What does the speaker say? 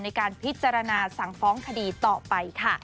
ในการพิจารณาสั่งฟ้องคดีต่อไปค่ะ